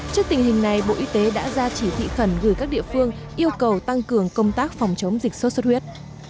trước tình hình này bộ y tế đã ra chỉ thị khẩn gửi các địa phương yêu cầu tăng cường công tác phòng chống dịch sốt xuất huyết